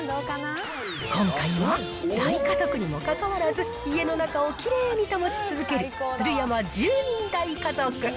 今回は、大家族にもかかわらず、家の中をきれいに保ち続ける鶴山１０人大家族。